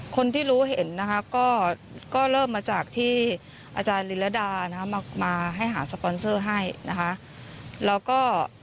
คนที่รู้เห็นก็เริ่มมาจากที่อาจารย์ลิลดามาให้หาสปอนเซอร์ให้นะคะ